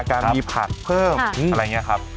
การมีผักเพิ่มอะไรอย่างนี้ครับ